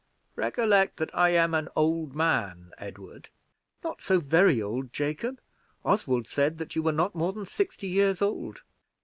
Recollect that I am an old man, Edward." "Not so very old, Jacob; Oswald said that you were not more than sixty years old."